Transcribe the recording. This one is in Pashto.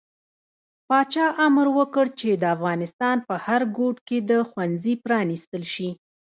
پاچا امر وکړ چې د افغانستان په هر ګوټ کې د ښوونځي پرانستل شي.